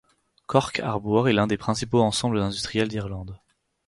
Cork Harbour est un des principaux ensembles industriels d’Irlande.